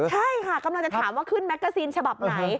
ใช่ค่ะกำลังจะถามว่าขึ้นแกซีนฉบับไหน